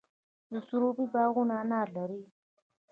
د سروبي باغونه انار لري.